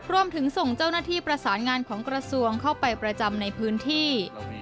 รวมถึงส่งเจ้าหน้าที่ประสานงานของกระทรวงเข้าไปประจำในพื้นที่